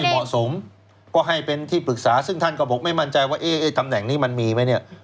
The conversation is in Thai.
เหมาะสมก็ให้เป็นที่ปรึกษาซึ่งท่านก็บอกไม่มั่นใจว่าเอ๊ะตำแหน่งนี้มันมีไหมเนี่ย